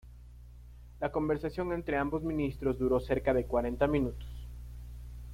La conversación entre ambos ministros duró cerca de cuarenta minutos.